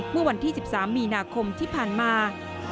เมื่อวันที่๑๓มีนาคมที่ผ่านมา